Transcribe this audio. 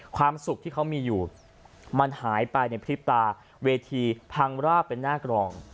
ความสุขที่เขามีอยู่มันหายไปในพริบตาเวทีพังราบเป็นหน้ากรอง